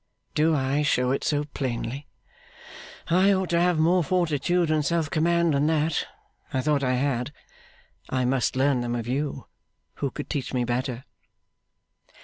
Do I show it so plainly? I ought to have more fortitude and self command than that. I thought I had. I must learn them of you. Who could teach me better!